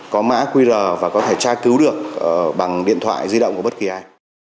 có mã qr và có thể tra cứu được bằng điện thoại di động của bất kỳ ai